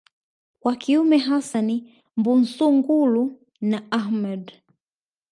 wa kiume hassan Mbunsungulu na Ahmed